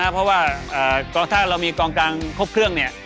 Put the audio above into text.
เพราะว่าถ้าเรามีกองกลางครบเครื่อง